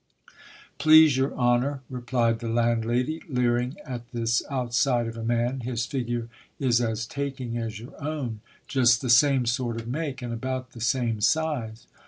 Please your honour, replied the landlady, leering at this outside of a man, his figure is as taking as your own ; just the same sort of make, and about the same size.